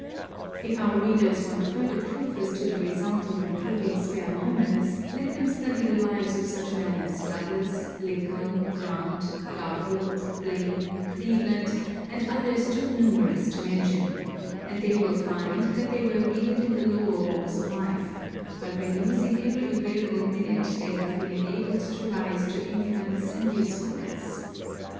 If our readers want further proof as to the result of improving spare moments, let them study the lives of such men as Douglass, Lincoln, Grant, Garfield, Blaine, Cleveland, and others too numerous to mention, and they will find that they were reared in the lower walks of life, but by using every available minute they have been enabled to rise to influence and usefulness.